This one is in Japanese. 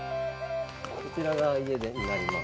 こちらが家になります。